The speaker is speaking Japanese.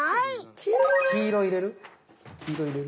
きいろいれる？